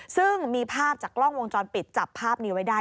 ซึ่งมีภาพจากกล้องวงจรปิดจับภาพนี้ไว้ได้